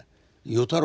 「与太郎」。